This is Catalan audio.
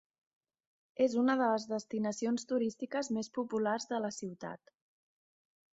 És una de les destinacions turístiques més populars de la ciutat.